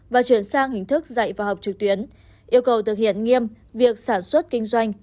và chuyển sang hình thức dạy và học trực tuyến yêu cầu thực hiện nghiêm việc sản xuất kinh doanh